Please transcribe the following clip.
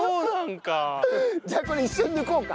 じゃあこれ一緒に抜こうか。